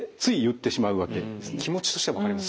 気持ちとしては分かります。